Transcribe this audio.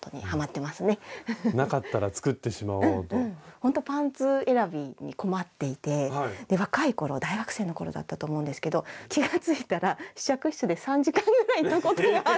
ほんとパンツ選びに困っていて若い頃大学生の頃だったと思うんですけど気が付いたら試着室で３時間ぐらいいたことがあって。